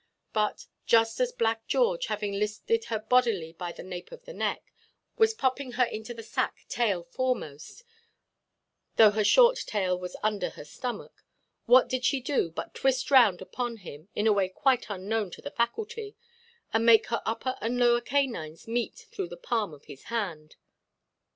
But, just as Black George, having lifted her boldly by the nape of the neck, was popping her into the sack tail foremost, though her short tail was under her stomach, what did she do but twist round upon him, in a way quite unknown to the faculty, and make her upper and lower canines meet through the palm of his hand?